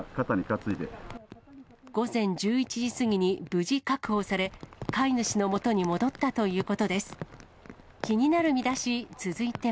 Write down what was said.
午前１１時過ぎに無事確保され、飼い主のもとに戻ったということです。